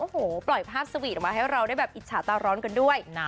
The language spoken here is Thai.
โอ้โหปล่อยภาพสวีทออกมาให้เราได้แบบอิจฉาตาร้อนกันด้วยนะ